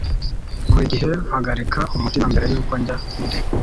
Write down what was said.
Buri gihe mpagarika umutima mbere yuko njya mu ndege.